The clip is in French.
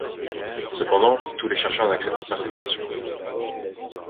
Cependant, tous les chercheurs n'acceptent pas cette version.